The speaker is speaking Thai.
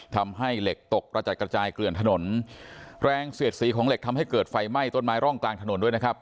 ทำให้เหล็กตกกระจัดกระจายเกลื่อนถนนแรงเสียดสีของเหล็กทำให้เกิดไฟไหม้ต้นไม้ร่องกลางถนนด้วยนะครับ